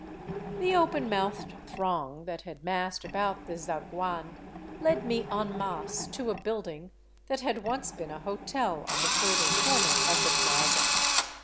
The open mouthed throng that had massed about the zaguan led me en masse to a building that had once been a hotel on the further corner of the plaza.